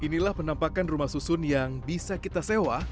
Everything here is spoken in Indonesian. inilah penampakan rumah susun yang bisa kita sewa